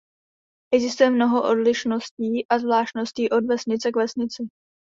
Existuje mnoho odlišností a zvláštností od vesnice k vesnici.